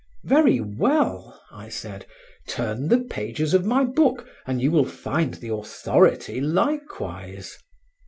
"Very well." I said; "turn the pages of my book and you will find the authority likewise."